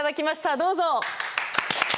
どうぞ。